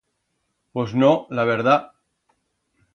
Pos no, la verdat.